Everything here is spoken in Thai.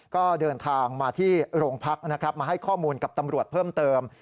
ก็เดินทางมาที่โรงพักนะครับมาให้ข้อมูลกับตำรวจเพิ่มเติม